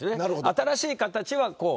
新しい形はこう。